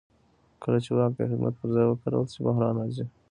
کله چې واک د خدمت پر ځای وکارول شي بحران راځي